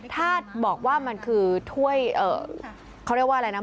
ถ้าบอกว่ามันคือถ้วยเขาเรียกว่าอะไรนะ